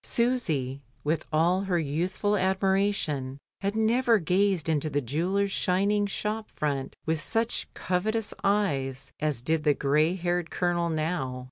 Susy with all her youthful admiration had never gazed into the jeweller's shining shop front with such covetous eyes as did the grey headed Colonel now.